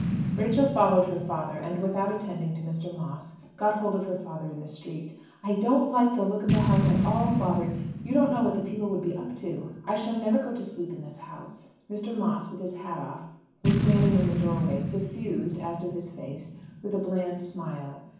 Rachel followed her father, and without attending to Mr. Moss got hold of her father in the street. "I don't like the look of the house at all, father, you don't know what the people would be up to. I shall never go to sleep in this house." Mr. Moss, with his hat off, was standing in the doorway, suffused, as to his face, with a bland smile.